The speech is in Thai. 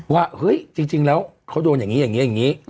ว่าเฮ้ยจริงแล้วเขาโดนอย่างนี้อย่างนี้อย่างนี้